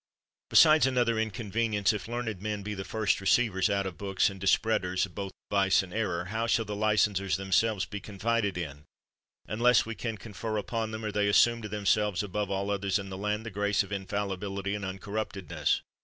Besides another inconvenience, if learned men be the first receivers out of books, and dispread ers both of vice and error, how shall the licensers themselves be confided in, unless we can confer upon them, or they assume to themselves above all others in the land the grace of infallibility and uncorruptedness